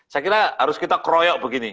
saya kira harus kita kroyok begini